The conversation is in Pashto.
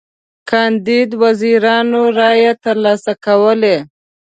کاندید وزیرانو رایی تر لاسه کولې.